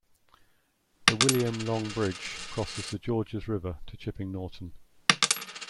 The William Long Bridge crosses the Georges River to Chipping Norton.